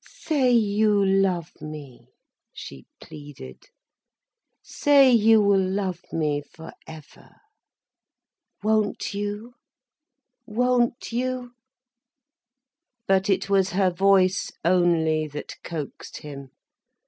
"Say you love me," she pleaded. "Say you will love me for ever—won't you—won't you?" But it was her voice only that coaxed him.